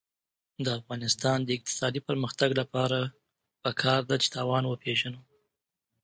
د افغانستان د اقتصادي پرمختګ لپاره پکار ده چې تاوان وپېژنو.